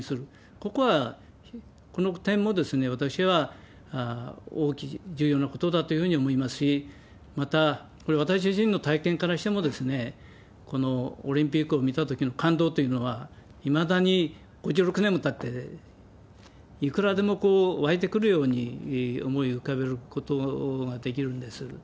ここは、この点も私は重要なことだというふうに思いますし、また、これ私自身の体験からしても、このオリンピックを見たときの感動というのは、いまだに５６年もたって、いくらでも湧いてくるように思い浮かべることができるんです。